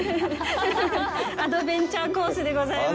アドベンチャーコースでございます。